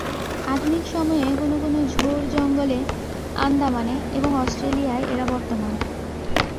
আধুনিক সময়ে কোন কোন ঝোড়-জঙ্গলে, আণ্ডামানে এবং অষ্ট্রেলিয়ায় এরা বর্তমান।